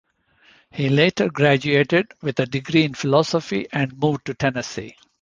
He later graduated with a degree in philosophy and moved to Tennessee.